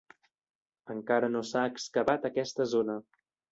Encara no s'ha excavat aquesta zona.